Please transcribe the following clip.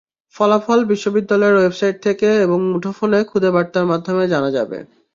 ফলাফল বিশ্ববিদ্যালয়ের ওয়েবসাইট থেকে এবং মুঠোফোনে খুদে বার্তার মাধ্যমে জানা যাবে।